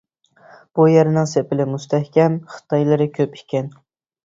بۇ يەرنىڭ سېپىلى مۇستەھكەم، خىتايلىرى كۆپ ئىكەن.